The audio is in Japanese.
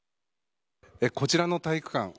こちらの体育館